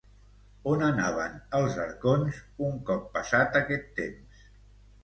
On anaven els arconts, un cop passat aquest temps?